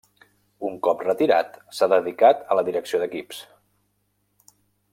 Un cop retirat, s'ha dedicat a la direcció d'equips.